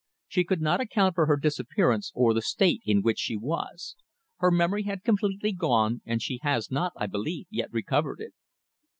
She could not account for her disappearance, or the state in which she was. Her memory had completely gone, and she has not, I believe, yet recovered it."